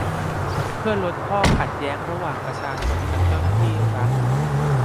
เพื่อลดข้อขัดแย้งระหว่างประชาชนกับเจ้าหน้าที่รัฐ